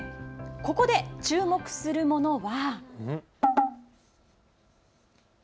ここで注目するものは。